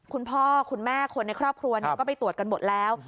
คุณพ่อคุณแม่คนในครอบครัวก็ไปตรวจกันหมดแล้ว